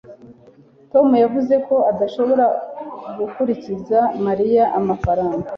tom yavuze ko adashobora kuguriza mariya amafaranga